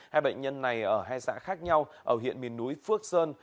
hai bệnh nhân này ở hai xã khác nhau ở huyện miền núi phước sơn